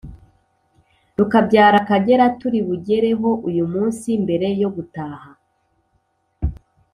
rukabyara Akagera turi bugereho uyu munsi mbere yo gutaha.”